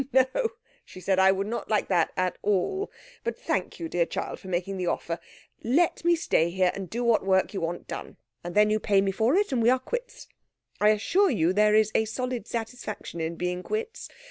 "No," she said. "I would not like that at all. But thank you, dear child, for making the offer. Let me stay here and do what work you want done, and then you pay me for it, and we are quits. I assure you there is a solid satisfaction in being quits.